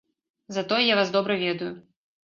Затое я вас добра ведаю.